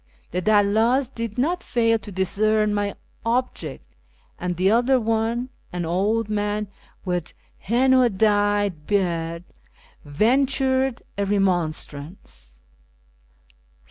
The dalldls did not fail to discern my object, and the elder one — an old man with henna dyed beard — ventured a remonstrance.